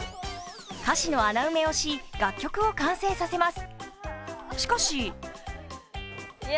歌詞の穴埋めをし楽曲を完成させます。